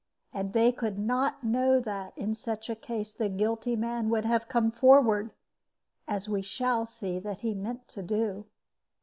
And they could not know that, in such case, the guilty man would have come forward, as we shall see that he meant to do.